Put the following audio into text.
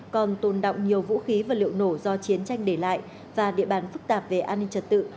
hồn động nhiều vũ khí và liệu nổ do chiến tranh để lại và địa bàn phức tạp về an ninh trật tự